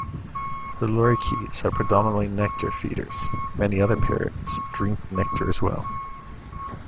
The lorikeets are predominantly nectar feeders; many other parrots drink nectar, as well.